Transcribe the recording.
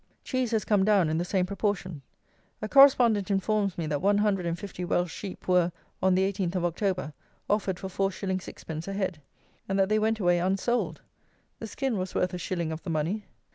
Cheese has come down in the same proportion. A correspondent informs me that one hundred and fifty Welsh Sheep were, on the 18th of October, offered for 4_s._ 6_d_, a head, and that they went away unsold! The skin was worth a shilling of the money!